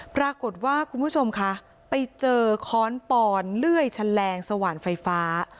ปรากฏว่าคุณผู้ชมค่ะไปเจอค้อนป่อนเลื่อยชะแรงสวรรค์ไฟฟ้า